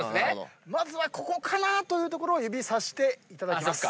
まずはここかなという所を指さしていただきます。